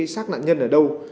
sát nạn nhân ở đâu